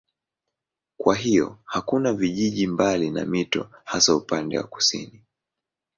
Kwa hiyo hakuna vijiji mbali na mito hasa upande wa kusini.